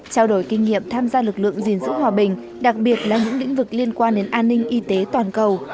trao đổi kinh nghiệm tham gia lực lượng gìn giữ hòa bình đặc biệt là những lĩnh vực liên quan đến an ninh y tế toàn cầu